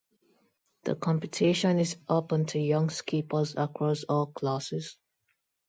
The competition is open to young skippers across all classes.